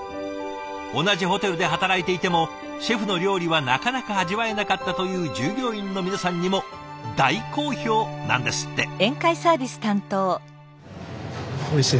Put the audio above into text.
同じホテルで働いていてもシェフの料理はなかなか味わえなかったという従業員の皆さんにも大好評なんですって。